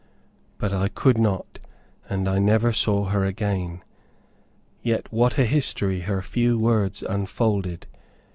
But I could not, and I never saw her again. Yet what a history her few words unfolded!